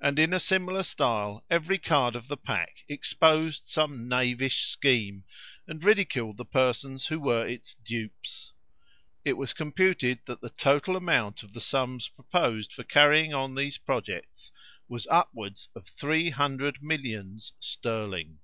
And in a similar style every card of the pack exposed some knavish scheme, and ridiculed the persons who were its dupes. It was computed that the total amount of the sums proposed for carrying on these projects was upwards of three hundred millions sterling.